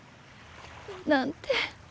なんて